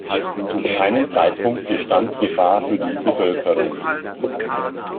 Zu keinem Zeitpunkt bestand Gefahr für die Bevölkerung.